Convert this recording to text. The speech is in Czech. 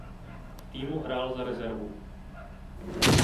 V týmu hrál za rezervu.